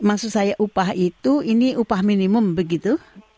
maksud saya upah itu ini upah minimum begitu